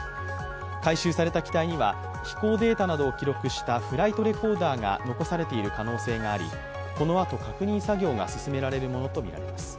回収された機体には飛行データなどを記録したフライトレコーダーが残されている可能性があり、このあと確認作業が進められるものとみられます。